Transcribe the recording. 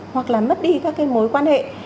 hoặc là mất đi các cái mối quan hệ